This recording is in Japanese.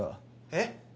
えっ？